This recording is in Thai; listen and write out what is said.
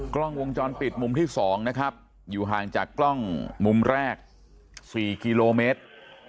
กล้องวงจรปิดมุมที่๒นะครับอยู่ห่างจากกล้องมุมแรก๔กิโลเมตร